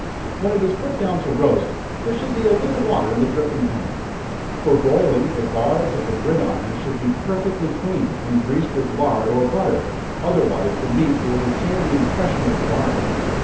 When it is put down to roast, there should be a little water in the dripping pan. For broiling, the bars of the gridiron should be perfectly clean, and greased with lard or butter, otherwise the meat will retain the impression of the bars.